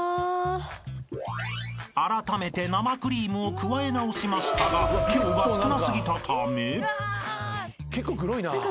［あらためて生クリームを加え直しましたが量が少なすぎたため］